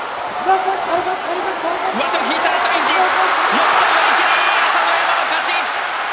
寄り切り朝乃山の勝ち。